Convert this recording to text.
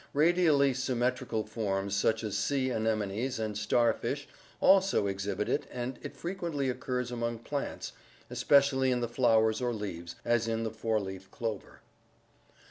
Radially symmetrical forms such as sea anemones and starfish also exhibit it and it frequently occurs among plants, especially in the flowers or leaves, as in the four leaf clover.